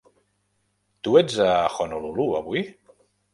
Tu ets a Honolulu, avui?